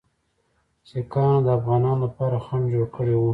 سیکهانو د افغانانو لپاره خنډ جوړ کړی وو.